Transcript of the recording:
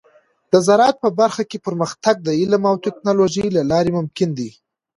د زراعت په برخه کې پرمختګ د علم او ټیکنالوجۍ له لارې ممکن دی.